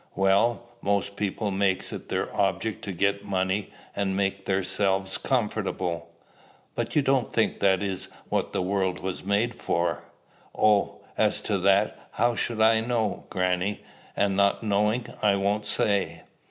"Well, most people makes it their object to get money, and make theirselves comfortable." "But you don't think that is what the world was made for?" "Oh! as to that, how should I know, grannie? And not knowin', I won't say."